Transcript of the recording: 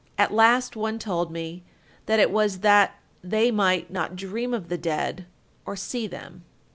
At last one told me that it was that they might not dream of the dead or see them."